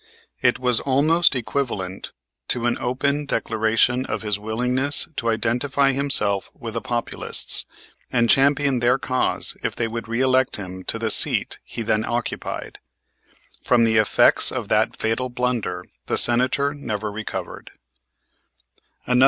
It was almost equivalent to an open declaration of his willingness to identify himself with the Populists, and champion their cause if they would reelect him to the seat he then occupied. From the effects of that fatal blunder the Senator never recovered.